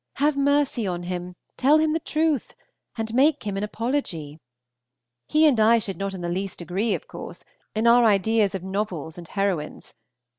Have mercy on him, tell him the truth, and make him an apology. He and I should not in the least agree, of course, in our ideas of novels and heroines.